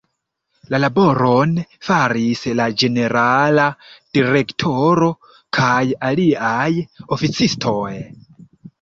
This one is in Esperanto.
La laboron faris la Ĝenerala Direktoro kaj aliaj oficistoj.